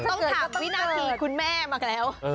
ต้องถามวินาทีคุณแม่มาแล้ว